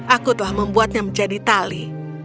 aku telah membuatnya menjadi tali